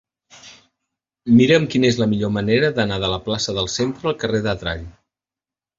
Mira'm quina és la millor manera d'anar de la plaça del Centre al carrer d'Adrall.